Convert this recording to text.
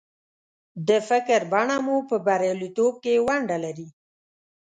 د فکر بڼه مو په برياليتوب کې ونډه لري.